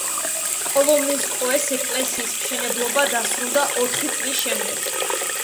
კოლომენსკოეს ეკლესიის მშენებლობა დასრულდა ოთხი წლის შემდეგ.